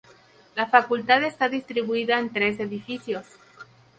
La Facultad está distribuida en tres edificios.